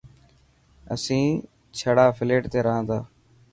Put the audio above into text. اسين ڇڙا فليٽ تي رها تا.